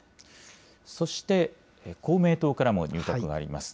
そして公明党からも入閣があります。